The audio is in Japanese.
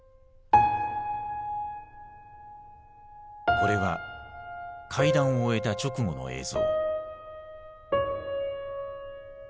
これは会談を終えた直後の映像。